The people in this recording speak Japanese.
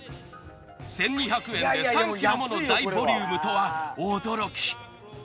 １，２００円で３ｋｇもの大ボリュームとは驚き！